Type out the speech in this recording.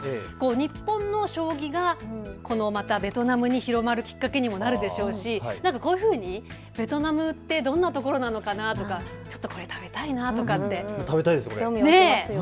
日本の将棋がベトナムに広がるきっかけになるでしょうし、こういうふうにベトナムってどんなところなのかなとかこれ食べたいなとかって興味が湧きますよね。